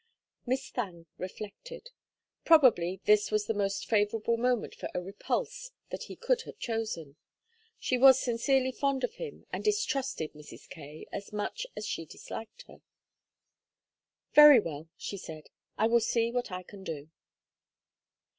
Miss Thangue reflected. Probably this was the most favorable moment for a repulse that he could have chosen. She was sincerely fond of him and distrusted Mrs. Kaye as much as she disliked her. "Very well," she said. "I will see what I can do."